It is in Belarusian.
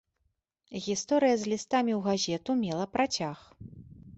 Гісторыя з лістамі ў газету мела працяг.